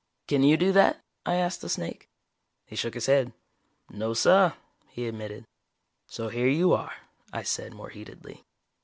"Can you do that?" I asked the snake. He shook his head. "No, suh," he admitted. "So here you are," I said, more heatedly.